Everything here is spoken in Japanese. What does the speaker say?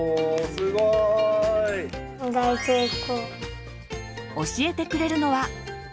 すごい！教えてくれるのは。